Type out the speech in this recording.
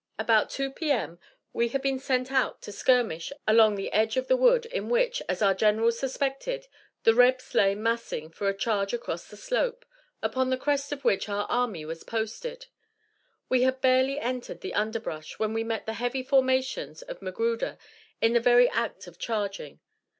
About 2 P.M. we had been sent out to skirmish along the edge of the wood in which, as our generals suspected, the Rebs lay massing for a charge across the slope, upon the crest of which our army was posted. We had barely entered the underbrush when we met the heavy formations of Magruder in the very act of charging.